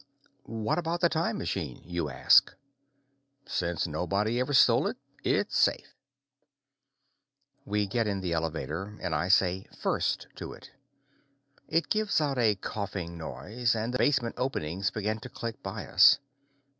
"What about the time machine?" you ask. "Since nobody ever stole it, it's safe." We get in the elevator, and I say "first" to it. It gives out a coughing noise and the basement openings begin to click by us.